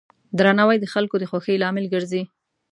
درناوی د خلکو د خوښۍ لامل ګرځي.